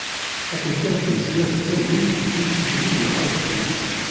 Akken kan tezga tettagi-t i yettkemmil yeɣɣaz deg-s.